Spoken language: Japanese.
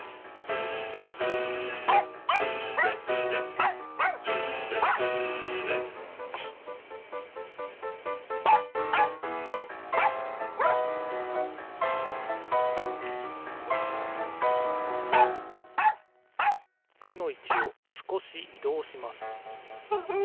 「スレスレスレスレ」「スレスレ」「く」のいちをすこしいどうします。